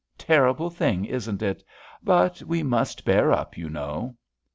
Terrible thing, isn't it? but we must bear up, you know."